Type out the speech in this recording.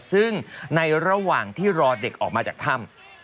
ซึ่งในระหว่างที่รอเด็กออกมาจากถ้ำ